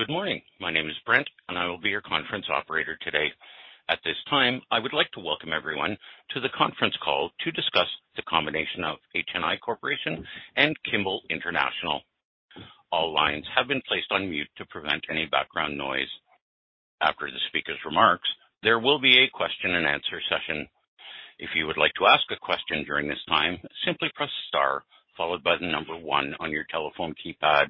Good morning. My name is Brent, and I will be your conference operator today. At this time, I would like to welcome everyone to the conference call to discuss the combination of HNI Corporation and Kimball International. All lines have been placed on mute to prevent any background noise. After the speaker's remarks, there will be a question-and-answer session. If you would like to ask a question during this time, simply press star followed by the number one on your telephone keypad.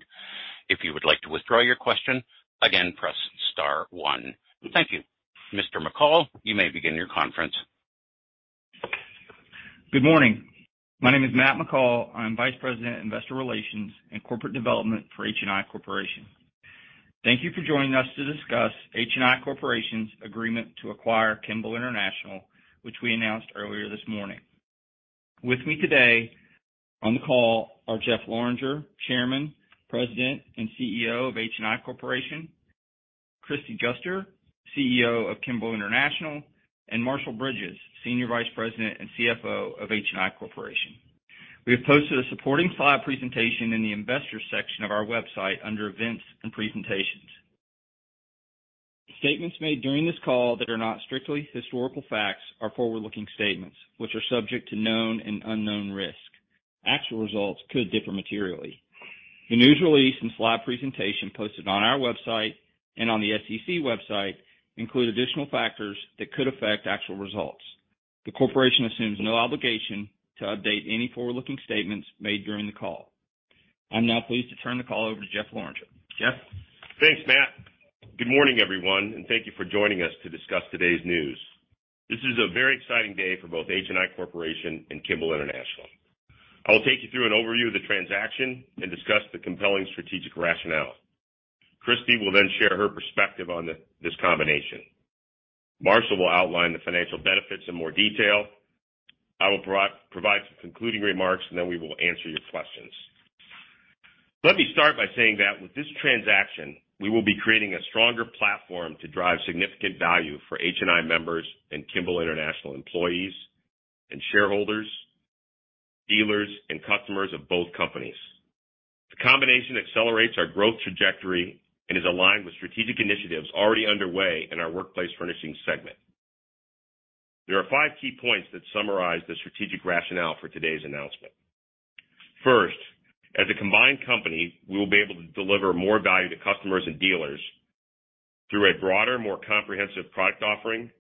If you would like to withdraw your question, again, press star one. Thank you. Mr. McCall, you may begin your conference. Good morning. My name is Matt McCall. I'm Vice President, Investor Relations and Corporate Development for HNI Corporation. Thank you for joining us to discuss HNI Corporation's agreement to acquire Kimball International, which we announced earlier this morning. With me today on the call are Jeff Lorenger, Chairman, President, and CEO of HNI Corporation; Kristie Juster, CEO of Kimball International; and Marshall Bridges, Senior Vice President and CFO of HNI Corporation. We have posted a supporting slide presentation in the investors section of our website under Events and Presentations. Statements made during this call that are not strictly historical facts are forward-looking statements, which are subject to known and unknown risk. Actual results could differ materially. The news release and slide presentation posted on our website and on the SEC website include additional factors that could affect actual results. The corporation assumes no obligation to update any forward-looking statements made during the call. I'm now pleased to turn the call over to Jeff Lorenger. Jeff? Thanks, Matt. Good morning, everyone, and thank you for joining us to discuss today's news. This is a very exciting day for both HNI Corporation and Kimball International. I will take you through an overview of the transaction and discuss the compelling strategic rationale. Kristie will then share her perspective on this combination. Marshall will outline the financial benefits in more detail. I will provide some concluding remarks, and then we will answer your questions. Let me start by saying that with this transaction, we will be creating a stronger platform to drive significant value for HNI members and Kimball International employees and shareholders, dealers, and customers of both companies. The combination accelerates our growth trajectory and is aligned with strategic initiatives already underway in our Workplace Furnishings segment. There are five key points that summarize the strategic rationale for today's announcement. First, as a combined company, we will be able to deliver more value to customers and dealers through a broader, more comprehensive product offering,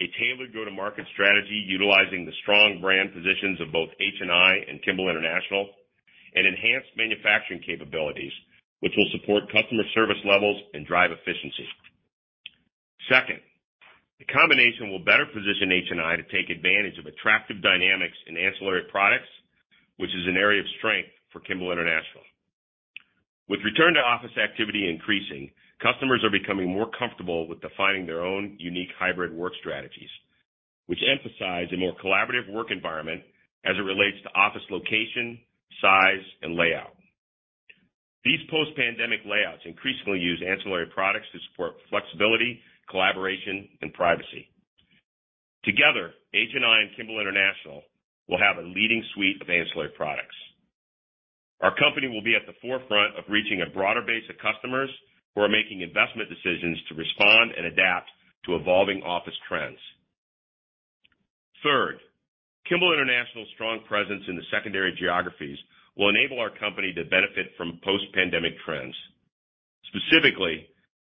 a tailored go-to-market strategy utilizing the strong brand positions of both HNI and Kimball International, and enhanced manufacturing capabilities, which will support customer service levels and drive efficiency. Second, the combination will better position HNI to take advantage of attractive dynamics in ancillary products, which is an area of strength for Kimball International. With return-to-office activity increasing, customers are becoming more comfortable with defining their own unique hybrid work strategies, which emphasize a more collaborative work environment as it relates to office location, size, and layout. These post-pandemic layouts increasingly use ancillary products to support flexibility, collaboration, and privacy. Together, HNI and Kimball International will have a leading suite of ancillary products. Our company will be at the forefront of reaching a broader base of customers who are making investment decisions to respond and adapt to evolving office trends. Third, Kimball International's strong presence in the secondary geographies will enable our company to benefit from post-pandemic trends. Specifically,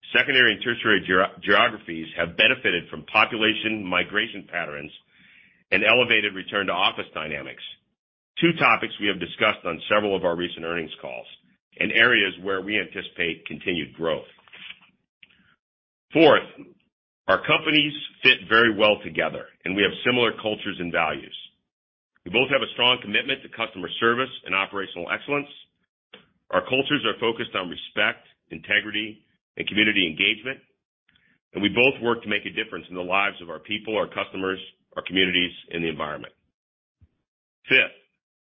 secondary and tertiary geographies have benefited from population migration patterns and elevated return-to-office dynamics. Two topics we have discussed on several of our recent earnings calls and areas where we anticipate continued growth. Fourth, our companies fit very well together, and we have similar cultures and values. We both have a strong commitment to customer service and operational excellence. Our cultures are focused on respect, integrity, and community engagement, and we both work to make a difference in the lives of our people, our customers, our communities, and the environment. Fifth,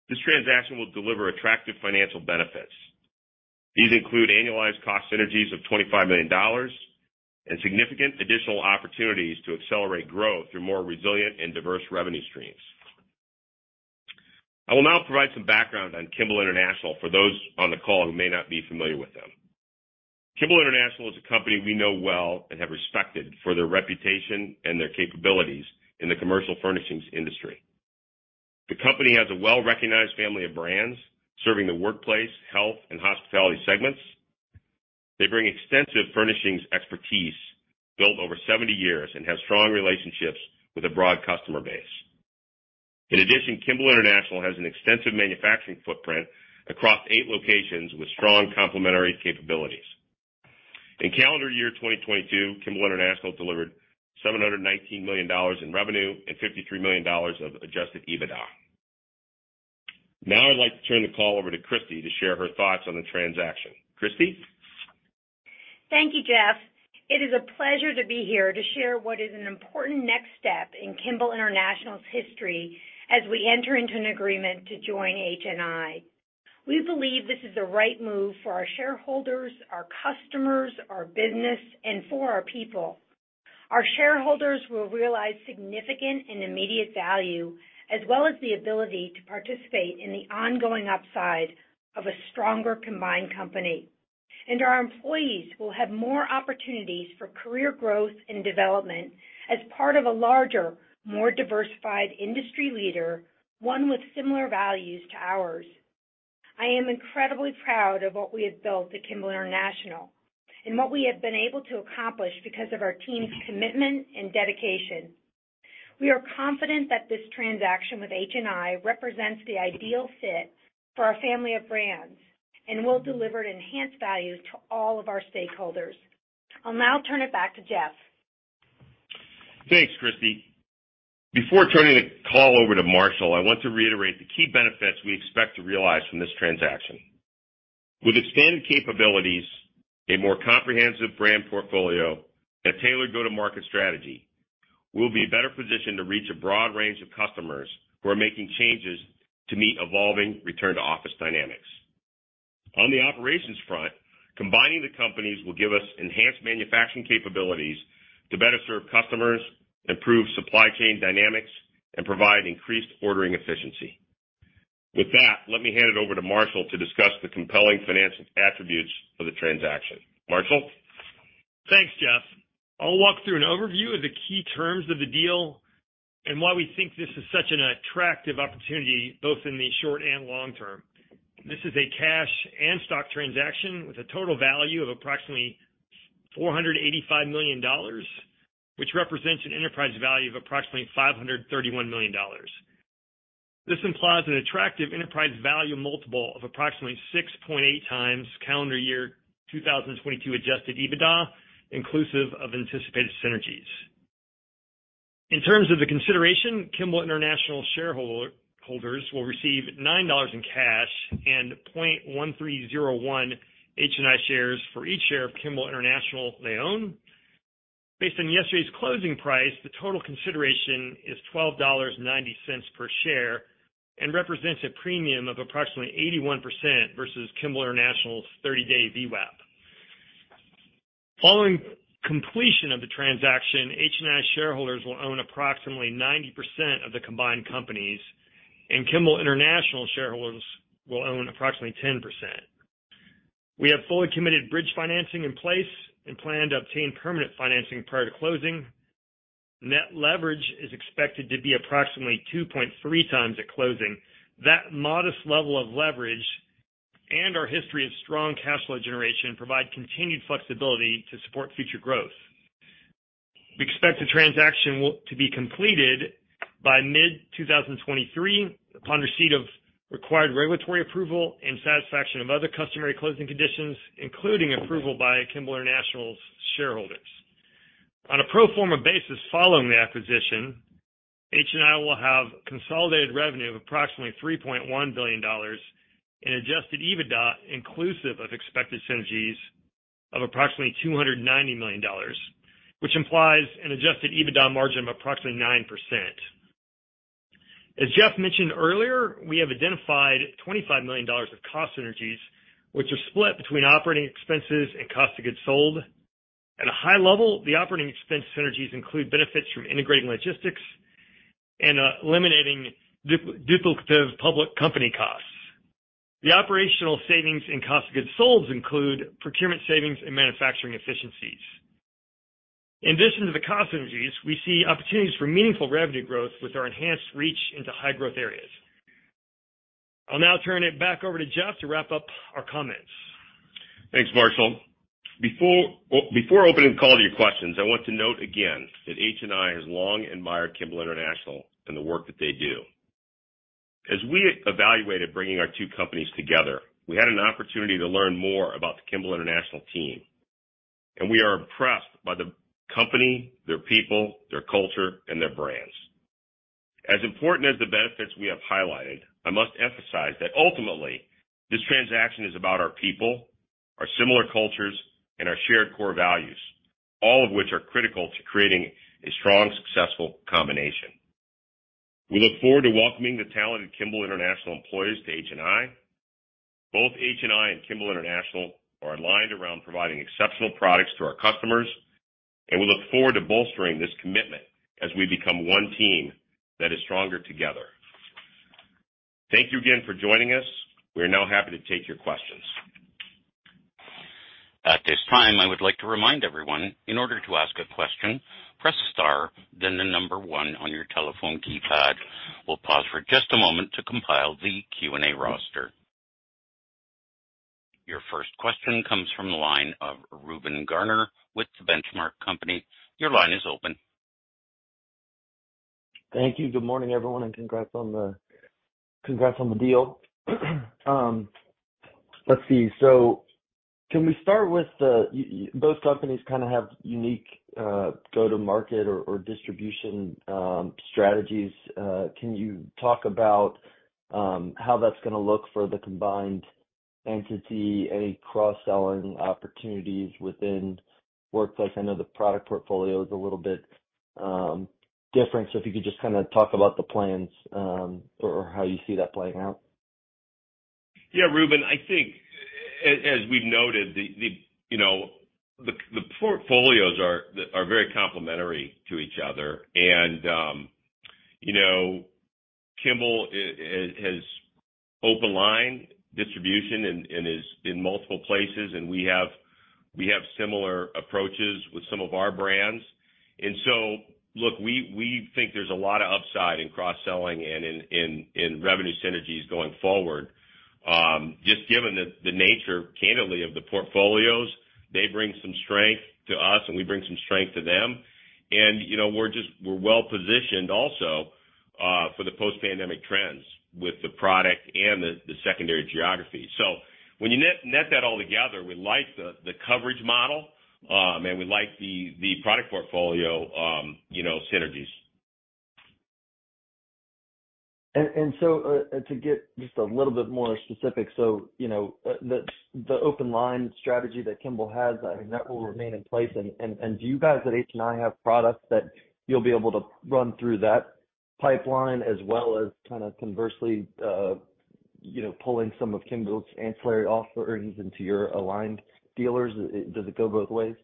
this transaction will deliver attractive financial benefits. These include annualized cost synergies of $25 million and significant additional opportunities to accelerate growth through more resilient and diverse revenue streams. I will now provide some background on Kimball International for those on the call who may not be familiar with them. Kimball International is a company we know well and have respected for their reputation and their capabilities in the commercial furnishings industry. The company has a well-recognized family of brands serving the workplace, health, and hospitality segments. They bring extensive furnishings expertise built over 70 years and have strong relationships with a broad customer base. In addition, Kimball International has an extensive manufacturing footprint across eight locations with strong complementary capabilities. In calendar year 2022, Kimball International delivered $719 million in revenue and $53 million of adjusted EBITDA. I'd like to turn the call over to Kristie to share her thoughts on the transaction. Kristie? Thank you, Jeff. It is a pleasure to be here to share what is an important next step in Kimball International's history as we enter into an agreement to join HNI. We believe this is the right move for our shareholders, our customers, our business, and for our people. Our shareholders will realize significant and immediate value, as well as the ability to participate in the ongoing upside of a stronger combined company. Our employees will have more opportunities for career growth and development as part of a larger, more diversified industry leader, one with similar values to ours. I am incredibly proud of what we have built at Kimball International and what we have been able to accomplish because of our team's commitment and dedication. We are confident that this transaction with HNI represents the ideal fit for our family of brands and will deliver enhanced value to all of our stakeholders. I'll now turn it back to Jeff. Thanks, Kristy. Before turning the call over to Marshall, I want to reiterate the key benefits we expect to realize from this transaction. With expanded capabilities, a more comprehensive brand portfolio, a tailored go-to-market strategy, we'll be better positioned to reach a broad range of customers who are making changes to meet evolving return-to-office dynamics. On the operations front, combining the companies will give us enhanced manufacturing capabilities to better serve customers, improve supply chain dynamics, and provide increased ordering efficiency. With that, let me hand it over to Marshall to discuss the compelling financial attributes of the transaction. Marshall? Thanks, Jeff. I'll walk through an overview of the key terms of the deal and why we think this is such an attractive opportunity both in the short and long term. This is a cash and stock transaction with a total value of approximately $485 million, which represents an enterprise value of approximately $531 million. This implies an attractive enterprise value multiple of approximately 6.8x calendar year 2022 adjusted EBITDA, inclusive of anticipated synergies. In terms of the consideration, Kimball International shareholders will receive $9 in cash and 0.1301 HNI shares for each share of Kimball International they own. Based on yesterday's closing price, the total consideration is $12.90 per share and represents a premium of approximately 81% versus Kimball International's 30-day VWAP. Following completion of the transaction, HNI shareholders will own approximately 90% of the combined companies, and Kimball International shareholders will own approximately 10%. We have fully committed bridge financing in place and plan to obtain permanent financing prior to closing. Net leverage is expected to be approximately 2.3x at closing. That modest level of leverage and our history of strong cash flow generation provide continued flexibility to support future growth. We expect the transaction to be completed by mid-2023 upon receipt of required regulatory approval and satisfaction of other customary closing conditions, including approval by Kimball International's shareholders. On a pro forma basis following the acquisition, HNI will have consolidated revenue of approximately $3.1 billion and adjusted EBITDA inclusive of expected synergies of approximately $290 million, which implies an adjusted EBITDA margin of approximately 9%. As Jeff mentioned earlier, we have identified $25 million of cost synergies, which are split between operating expenses and cost of goods sold. At a high level, the operating expense synergies include benefits from integrating logistics and eliminating duplicative public company costs. The operational savings in cost of goods sold include procurement savings and manufacturing efficiencies. In addition to the cost synergies, we see opportunities for meaningful revenue growth with our enhanced reach into high-growth areas. I'll now turn it back over to Jeff to wrap up our comments. Thanks, Marshall. Before opening the call to your questions, I want to note again that HNI has long admired Kimball International and the work that they do. As we evaluated bringing our two companies together, we had an opportunity to learn more about the Kimball International team, we are impressed by the company, their people, their culture, and their brands. As important as the benefits we have highlighted, I must emphasize that ultimately, this transaction is about our people, our similar cultures, and our shared core values, all of which are critical to creating a strong, successful combination. We look forward to welcoming the talented Kimball International employees to HNI. Both HNI and Kimball International are aligned around providing exceptional products to our customers, we look forward to bolstering this commitment as we become one team that is stronger together. Thank you again for joining us. We are now happy to take your questions. At this time, I would like to remind everyone, in order to ask a question, press star then the number one on your telephone keypad. We'll pause for just a moment to compile the Q&A roster. Your first question comes from the line of Reuben Garner with Benchmark Company. Your line is open. Thank you. Good morning, everyone. Congrats on the deal. Let's see. Can we start with both companies kind of have unique go-to-market or distribution strategies? Can you talk about how that's gonna look for the combined entity? Any cross-selling opportunities within Workplace? I know the product portfolio is a little bit different. If you could just kinda talk about the plans or how you see that playing out? Yeah, Reuben, I think as we've noted, the, you know, the portfolios are very complementary to each other. You know, Kimball has open-line distribution and is in multiple places, and we have similar approaches with some of our brands. Look, we think there's a lot of upside in cross-selling and in revenue synergies going forward. Just given the nature, candidly, of the portfolios, they bring some strength to us, and we bring some strength to them. You know, we're well-positioned also for the post-pandemic trends with the product and the secondary geography. When you net that all together, we like the coverage model, and we like the product portfolio, you know, synergies. To get just a little bit more specific. You know, the open-line strategy that Kimball has, I mean, that will remain in place and do you guys at HNI have products that you'll be able to run through that pipeline as well as kinda conversely, you know, pulling some of Kimball's ancillary products into your aligned dealers? Does it go both ways?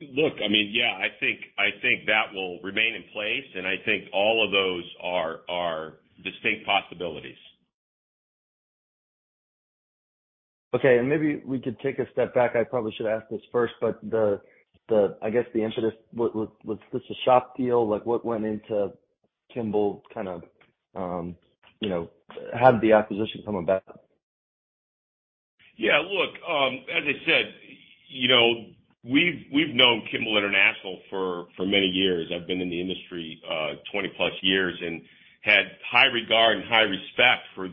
Look, I mean, yeah, I think that will remain in place. I think all of those are distinct possibilities. Maybe we could take a step back. I probably should ask this first, but I guess the impetus. Was this a shop deal? Like, what went into Kimball kind of, you know... How did the acquisition come about? Yeah, look, as I said, you know, we've known Kimball International for many years. I've been in the industry 20+ years and had high regard and high respect for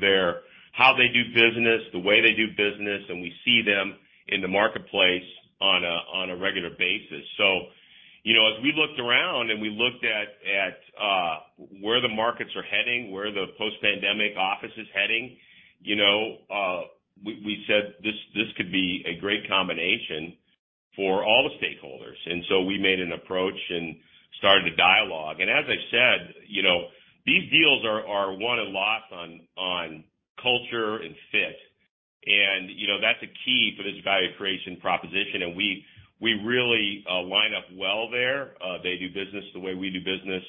how they do business, the way they do business, and we see them in the marketplace on a regular basis. You know, as we looked around and we looked at where the markets are heading, where the post-pandemic office is heading, you know, we said this could be a great combination for all the stakeholders. We made an approach and started a dialogue. As I said, you know, these deals are won and lost on culture and fit. You know, that's a key for this value creation proposition. We really line up well there. They do business the way we do business,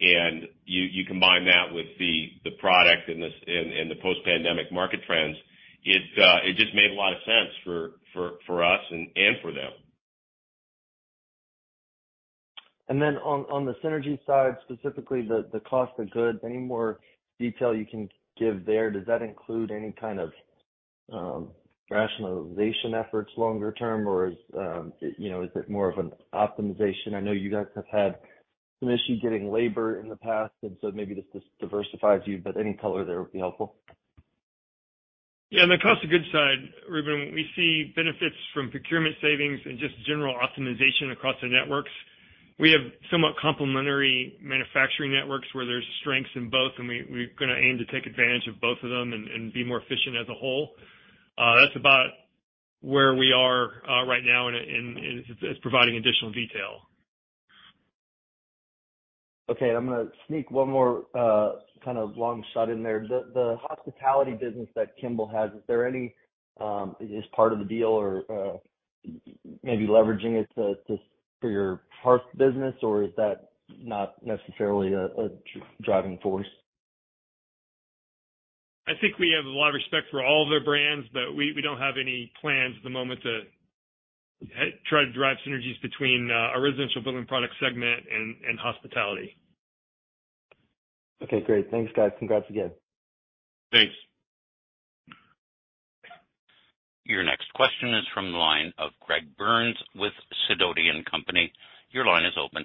and you combine that with the product and the post-pandemic market trends. It just made a lot of sense for us and for them. On the synergy side, specifically the cost of goods, any more detail you can give there? Does that include any kind of rationalization efforts longer term or is, you know, is it more of an optimization? I know you guys have had some issues getting labor in the past, maybe this diversifies you. Any color there would be helpful. On the cost of goods side, Reuben, we see benefits from procurement savings and just general optimization across the networks. We have somewhat complementary manufacturing networks where there's strengths in both, and we're gonna aim to take advantage of both of them and be more efficient as a whole. That's about where we are right now in providing additional detail. Okay, I'm gonna sneak one more, kind of long shot in there. The Hospitality business that Kimball has, is there any, as part of the deal or, maybe leveraging it for your parts business, or is that not necessarily a driving force? I think we have a lot of respect for all of their brands, but we don't have any plans at the moment to try to drive synergies between our Residential Building Products segment and Hospitality. Okay, great. Thanks, guys. Congrats again. Thanks. Your next question is from the line of Greg Burns with Sidoti & Company. Your line is open.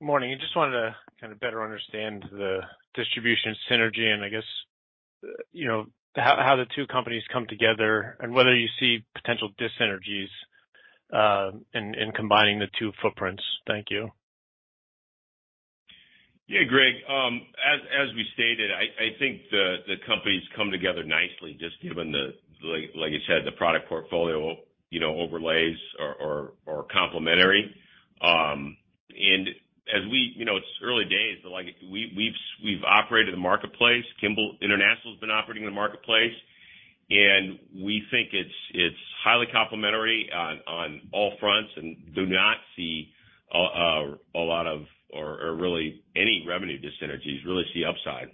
Morning. I just wanted to kind of better understand the distribution synergy and I guess, you know, how the two companies come together and whether you see potential dyssynergies in combining the two footprints. Thank you. Yeah, Greg. As we stated, I think the companies come together nicely just given the, like you said, the product portfolio, you know, overlays are complementary. You know, it's early days, but like we've operated in the marketplace. Kimball International has been operating in the marketplace. We think it's highly complementary on all fronts and do not see a lot of or really any revenue dyssynergies. Really see upside.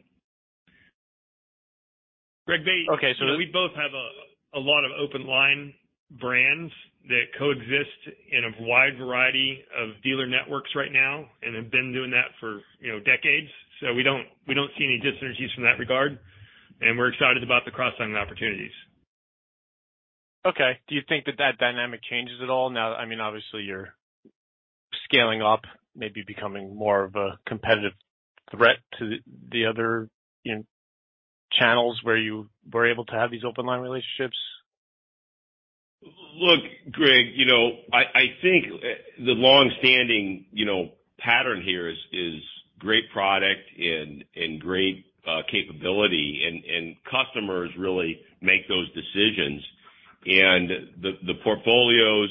Greg- Okay. You know, we both have a lot of open-line brands that coexist in a wide variety of dealer networks right now and have been doing that for, you know, decades. We don't see any dyssynergies from that regard, and we're excited about the cross-selling opportunities. Okay. Do you think that that dynamic changes at all now? I mean, obviously you're scaling up, maybe becoming more of a competitive threat to the other channels where you were able to have these open-line relationships. Look, Greg, you know, I think the longstanding, you know, pattern here is great product and great capability and customers really make those decisions. The portfolios,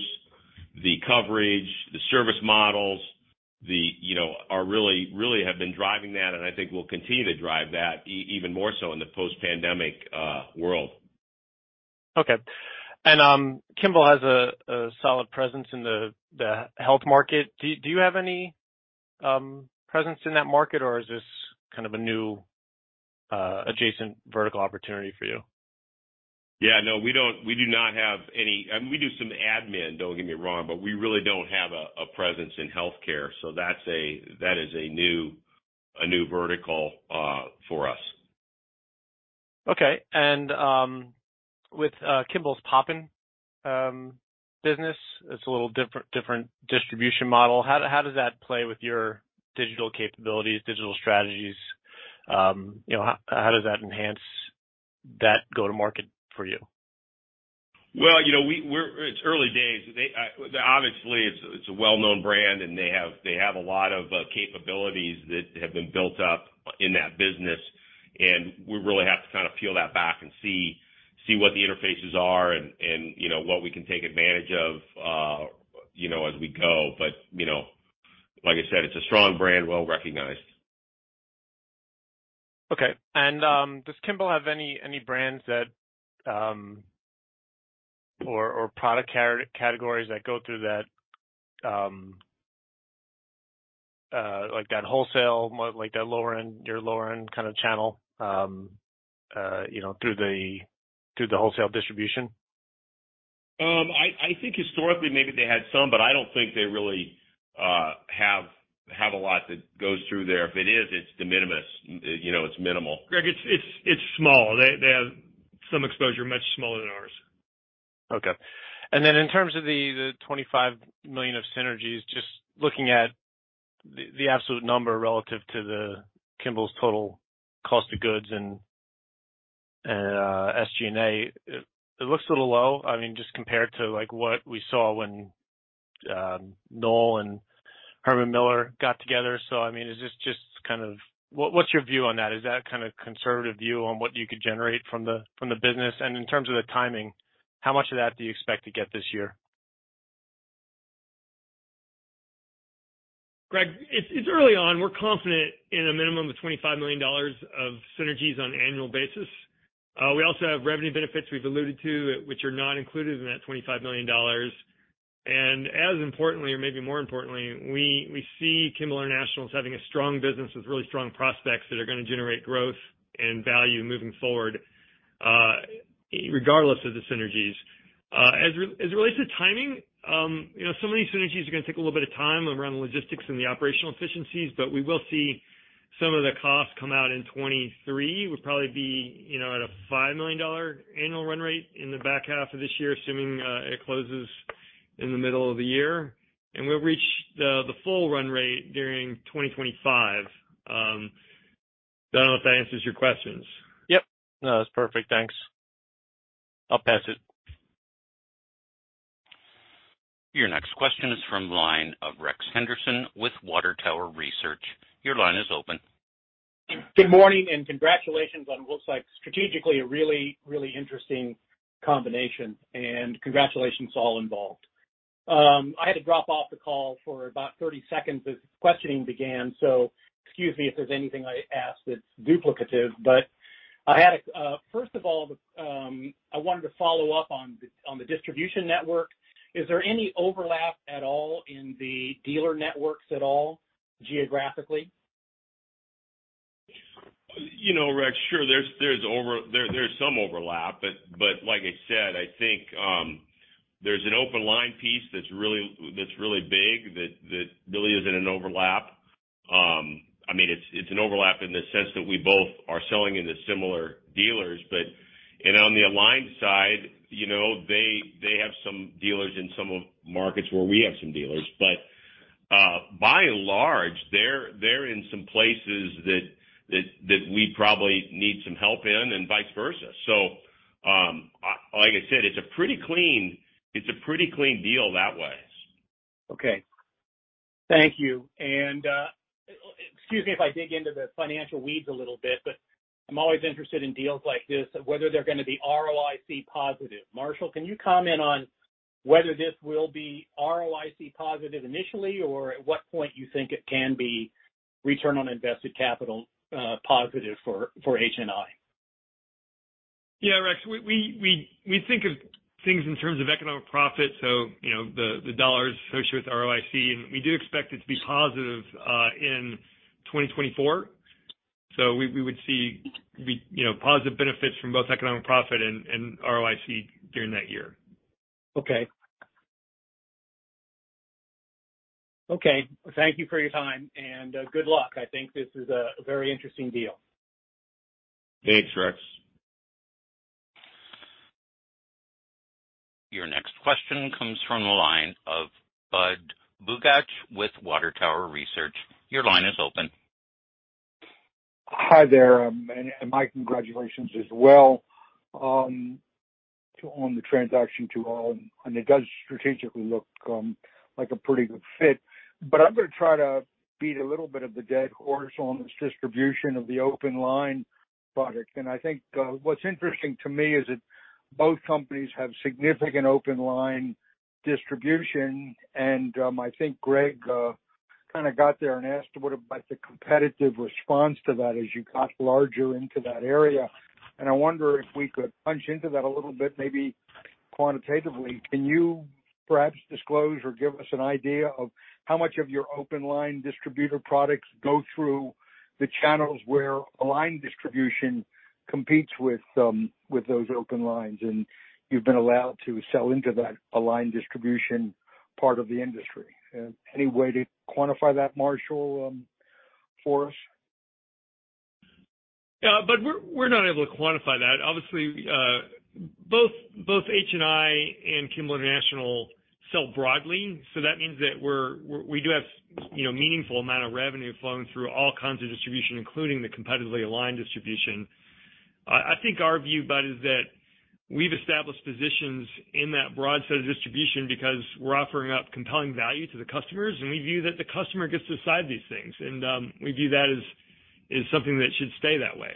the coverage, the service models, the, you know, are really have been driving that, and I think will continue to drive that even more so in the post-pandemic world. Okay. Kimball has a solid presence in the health market. Do you have any presence in that market, or is this kind of a new, adjacent vertical opportunity for you? Yeah, no, we do not have any. We do some admin, don't get me wrong, but we really don't have a presence in healthcare. That's a, that is a new vertical for us. Okay. With Kimball's Poppin business, it's a little different distribution model. How does that play with your digital capabilities, digital strategies? You know, how does that enhance that go-to-market for you? Well, you know, we're early days. They, obviously, it's a well-known brand, and they have a lot of capabilities that have been built up in that business. We really have to kind of peel that back and see what the interfaces are and, you know, what we can take advantage of, you know, as we go. You know, like I said, it's a strong brand, well-recognized. Okay. Does Kimball have any brands that, or product categories that go through that, like that wholesale, that lower end, your lower-end kind of channel, you know, through the wholesale distribution? I think historically maybe they had some, but I don't think they really have a lot that goes through there. If it is, it's de minimis. You know, it's minimal. Greg, it's small. They have some exposure much smaller than ours. In terms of the $25 million of synergies, just looking at the absolute number relative to Kimball's total cost of goods and SG&A, it looks a little low. I mean, just compared to like what we saw when Knoll and Herman Miller got together. I mean, is this just What's your view on that? Is that kind of conservative view on what you could generate from the business? In terms of the timing, how much of that do you expect to get this year? Greg, it's early on. We're confident in a minimum of $25 million of synergies on an annual basis. We also have revenue benefits we've alluded to, which are not included in that $25 million. As importantly or maybe more importantly, we see Kimball International as having a strong business with really strong prospects that are gonna generate growth and value moving forward, regardless of the synergies. As it relates to timing, you know, some of these synergies are gonna take a little bit of time around the logistics and the operational efficiencies, but we will see some of the costs come out in 2023. We'll probably be, you know, at a $5 million annual run rate in the back half of this year, assuming it closes in the middle of the year. We'll reach the full run rate during 2025. Don't know if that answers your questions. Yep. No, that's perfect. Thanks. I'll pass it. Your next question is from the line of Rex Henderson with Water Tower Research. Your line is open. Good morning. Congratulations on what looks like strategically a really, really interesting combination. Congratulations to all involved. I had to drop off the call for about 30 seconds as questioning began, so excuse me if there's anything I ask that's duplicative. First of all, I wanted to follow up on the distribution network. Is there any overlap at all in the dealer networks at all geographically? You know, Rex, sure there's some overlap. Like I said, I think, there's an open-line piece that's really big that really isn't an overlap. I mean, it's an overlap in the sense that we both are selling into similar dealers. On the aligned side, you know, they have some dealers in some of markets where we have some dealers. By and large, they're in some places that we probably need some help in and vice versa. Like I said, it's a pretty clean deal that way. Okay. Thank you. Excuse me if I dig into the financial weeds a little bit, but I'm always interested in deals like this, whether they're gonna be ROIC positive. Marshall, can you comment on whether this will be ROIC positive initially, or at what point you think it can be return on invested capital positive for HNI? Yeah, Rex, we think of things in terms of economic profit, so, you know, the dollars associated with ROIC. We do expect it to be positive in 2024. We would see, you know, positive benefits from both economic profit and ROIC during that year. Okay. Okay, thank you for your time, and good luck. I think this is a very interesting deal. Thanks, Rex. Your next question comes from the line of Budd Bugatch with Water Tower Research. Your line is open. Hi there, and my congratulations as well, to on the transaction to all. It does strategically look like a pretty good fit. I'm gonna try to beat a little bit of the dead horse on this distribution of the open-line. I think what's interesting to me is that both companies have significant open line distribution. I think Greg kind of got there and asked what about the competitive response to that as you got larger into that area. I wonder if we could punch into that a little bit, maybe quantitatively. Can you perhaps disclose or give us an idea of how much of your open line distributor products go through the channels where aligned distribution competes with those open lines and you've been allowed to sell into that aligned distribution part of the industry? Any way to quantify that, Marshall, for us? We're not able to quantify that. Obviously, both HNI and Kimball International sell broadly. That means that we do have, you know, meaningful amount of revenue flowing through all kinds of distribution, including the competitively aligned distribution. I think our view, Budd, is that we've established positions in that broad set of distribution because we're offering up compelling value to the customers, and we view that the customer gets to decide these things. We view that as something that should stay that way.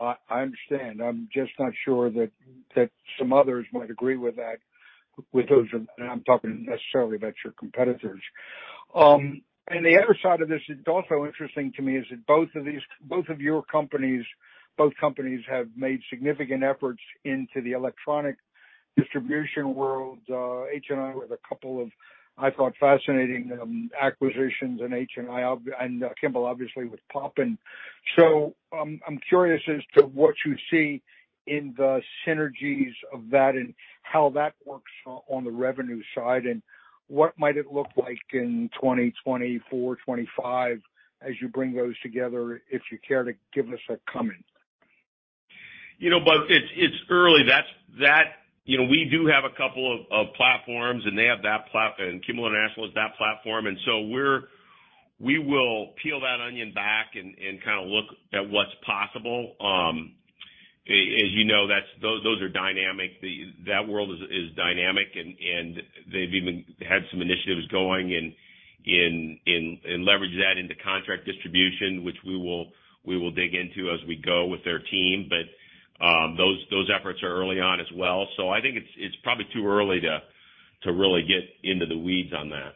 I understand. I'm just not sure that some others might agree with that, with those... I'm talking necessarily about your competitors. The other side of this is also interesting to me is that both of your companies, both companies have made significant efforts into the electronic distribution world. HNI with a couple of, I thought, fascinating acquisitions in HNI and Kimball obviously with Poppin. I'm curious as to what you see in the synergies of that and how that works on the revenue side, and what might it look like in 2024, 2025 as you bring those together, if you care to give us a comment? You know, Bud, it's early. You know, we do have a couple of platforms, and Kimball International has that platform. We will peel that onion back and kind of look at what's possible. As you know, those are dynamic. That world is dynamic, and they've even had some initiatives going and leverage that into contract distribution, which we will dig into as we go with their team. Those efforts are early on as well. I think it's probably too early to really get into the weeds on that.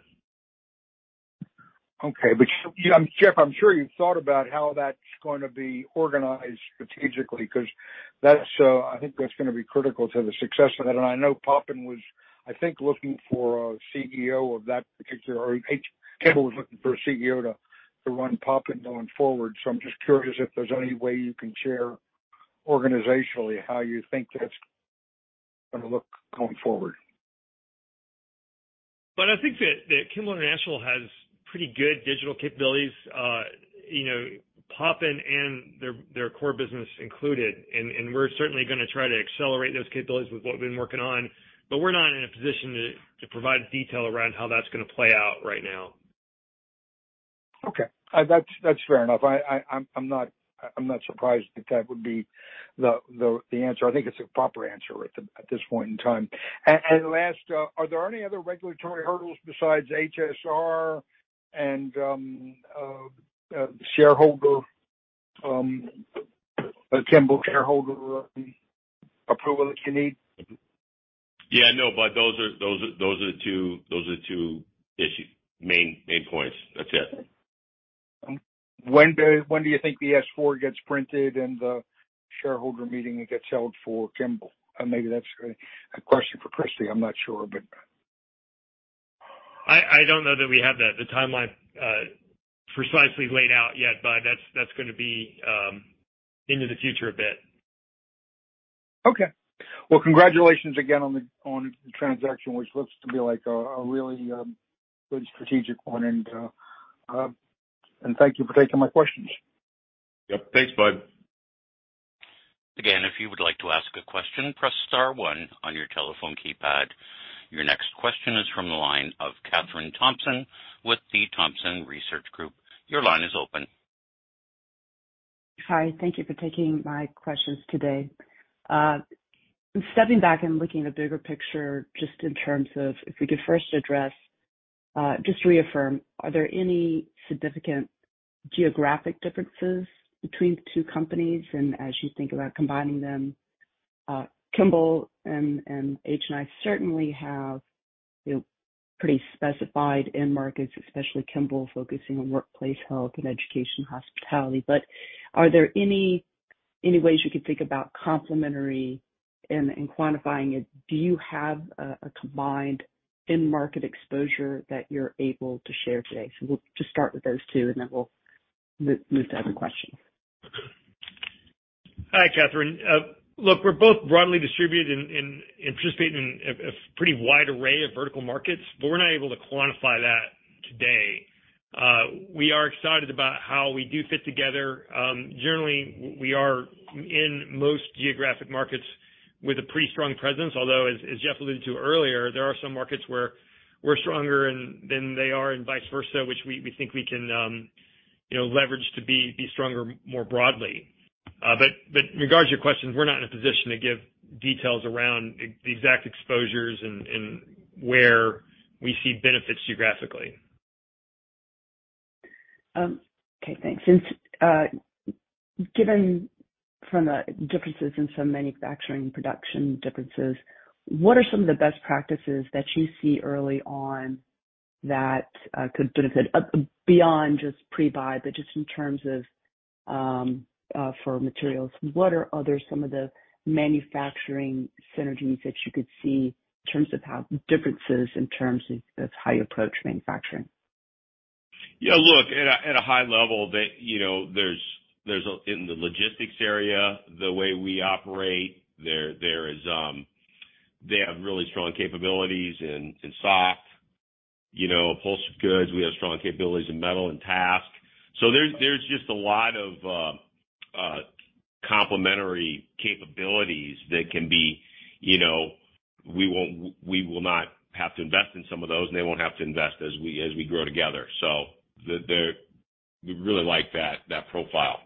Jeff, I'm sure you've thought about how that's gonna be organized strategically because that's, I think that's gonna be critical to the success of that. I know Poppin was, I think, looking for a CEO of that particular. Kimball was looking for a CEO to run Poppin going forward. I'm just curious if there's any way you can share organizationally how you think that's gonna look going forward. I think that Kimball International has pretty good digital capabilities, you know, Poppin and their core business included. We're certainly gonna try to accelerate those capabilities with what we've been working on, but we're not in a position to provide detail around how that's gonna play out right now. Okay. That's fair enough. I'm not surprised that that would be the answer. I think it's a proper answer at this point in time. Last, are there any other regulatory hurdles besides HSR and shareholder, Kimball shareholder approval that you need? Yeah. No, Bud. Those are the two issues, main points. That's it. When do you think the S-4 gets printed and the shareholder meeting gets held for Kimball? Maybe that's a question for Kristy. I'm not sure. I don't know that we have the timeline precisely laid out yet, Budd. That's gonna be into the future a bit. Okay. Well, congratulations again on the transaction, which looks to be like a really strategic one. Thank you for taking my questions. Yep. Thanks, Budd. Again, if you would like to ask a question, press star one on your telephone keypad. Your next question is from the line of Kathryn Thompson with the Thompson Research Group. Your line is open. Hi. Thank you for taking my questions today. Stepping back and looking at the bigger picture, just in terms of if we could first address, just reaffirm, are there any significant geographic differences between the two companies and as you think about combining them? Kimball and HNI certainly have, you know, pretty specified end markets, especially Kimball focusing on workplace, health and education, hospitality. Are there any ways you can think about complementary and quantifying it? Do you have a combined end market exposure that you're able to share today? We'll just start with those two, and then we'll move to other questions. Hi, Kathryn. look, we're both broadly distributed and participate in a pretty wide array of vertical markets, but we're not able to quantify that today. We are excited about how we do fit together. Generally, we are in most geographic markets with a pretty strong presence. Although, as Jeff alluded to earlier, there are some markets where we're stronger than they are and vice versa, which we think we can, you know, leverage to be stronger more broadly. Regards to your questions, we're not in a position to give details around exact exposures and where we see benefits geographically. Okay, thanks. Given from the differences in some manufacturing production differences, what are some of the best practices that you see early on that could benefit beyond just pre-buy, but just in terms of for materials? What are other some of the manufacturing synergies that you could see in terms of how differences in terms of how you approach manufacturing? Yeah, look, at a, at a high level that, you know, there's in the logistics area, the way we operate, there is, they have really strong capabilities in soft goods. You know, upholstery goods, we have strong capabilities in metal and task. There's just a lot of complementary capabilities that can be, you know... We won't, we will not have to invest in some of those, and they won't have to invest as we, as we grow together. The we really like that profile.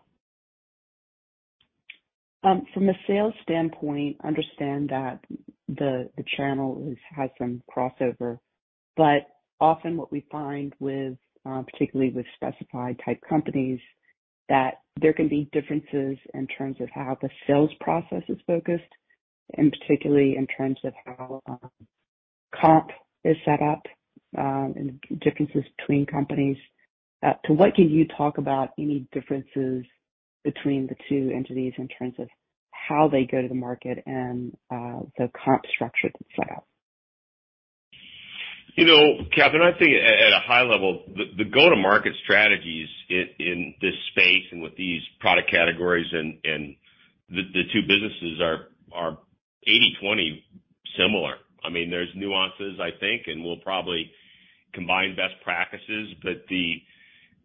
From a sales standpoint, understand that the channel is, has some crossover. Often what we find with, particularly with specified type companies, that there can be differences in terms of how the sales process is focused, and particularly in terms of how comp is set up, and differences between companies. What can you talk about any differences between the two entities in terms of how they go to the market and, the comp structure that's set up? You know, Kathryn, I think at a high level, the go-to-market strategies in this space and with these product categories and the two businesses are 80/20 similar. I mean, there's nuances, I think, and we'll probably combine best practices, but.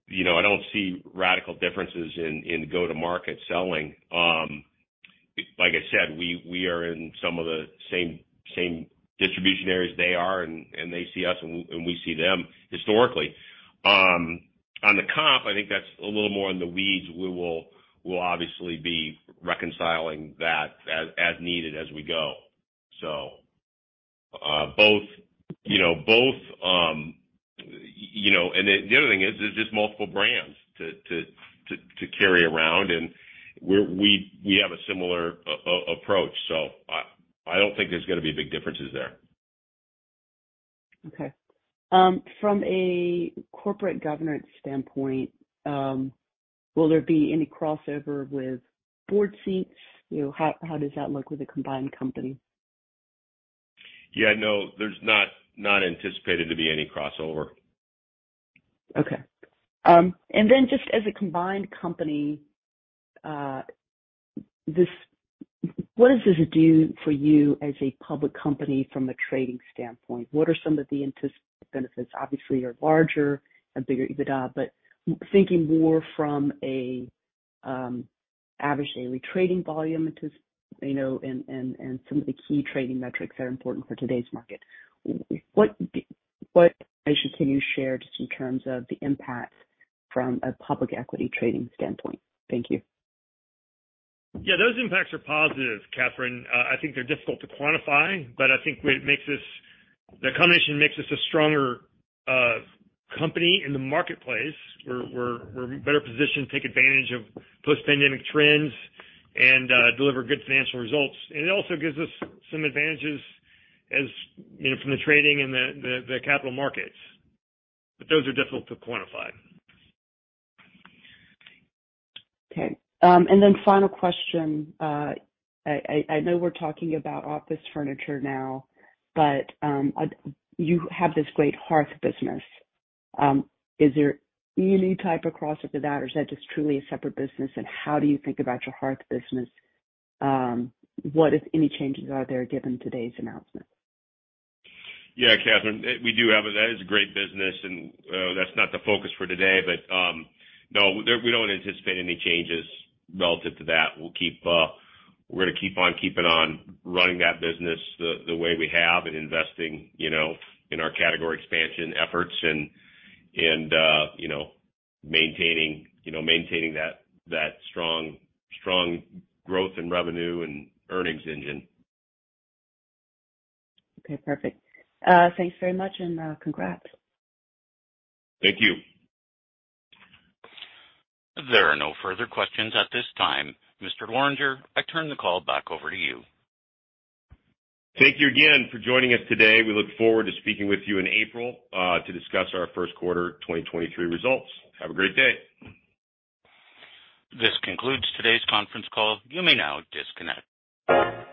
You know, I don't see radical differences in go-to-market selling. Like I said, we are in some of the same distribution areas they are, and they see us, and we see them historically. On the comp, I think that's a little more in the weeds. We will obviously be reconciling that as needed as we go. Both, you know, both. And then the other thing is there's just multiple brands to carry around, and we have a similar approach. I don't think there's gonna be big differences there. Okay. From a corporate governance standpoint, will there be any crossover with board seats? You know, how does that look with the combined company? Yeah, no, there's not anticipated to be any crossover. Okay. Just as a combined company, what does this do for you as a public company from a trading standpoint? What are some of the anticipated benefits? Obviously, you're larger and bigger EBITDA, but thinking more from a average daily trading volume into, you know, and some of the key trading metrics that are important for today's market. What information can you share just in terms of the impact from a public equity trading standpoint? Thank you. Yeah, those impacts are positive, Kathryn. I think they're difficult to quantify, but I think what the combination makes us a stronger company in the marketplace. We're better positioned to take advantage of post-pandemic trends and deliver good financial results. It also gives us some advantages as, you know, from the trading and the capital markets. Those are difficult to quantify. Okay. Final question. I know we're talking about office furniture now, but you have this great hearth business. Is there any type of crossover to that, or is that just truly a separate business? How do you think about your hearth business, what, if any, changes are there, given today's announcement? Yeah, Kathryn, we do have that is a great business. That's not the focus for today. No, we don't anticipate any changes relative to that. We're gonna keep on keeping on running that business the way we have and investing, you know, in our category expansion efforts and, you know, maintaining, you know, maintaining that strong growth in revenue and earnings engine. Okay, perfect. Thanks very much, and congrats. Thank you. There are no further questions at this time. Mr. Lorenger, I turn the call back over to you. Thank you again for joining us today. We look forward to speaking with you in April to discuss our first quarter 2023 results. Have a great day. This concludes today's conference call. You may now disconnect.